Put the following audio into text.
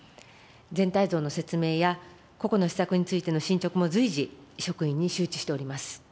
全体像の説明や、個々の施策についての進捗も随時職員に周知しております。